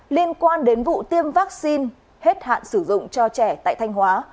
liên quan đến vụ tiêm vaccine hết hạn sử dụng cho trẻ tại thanh hóa